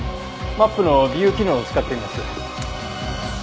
マップのビュー機能を使ってみます。